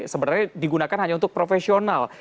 sebenarnya digunakan hanya untuk profesional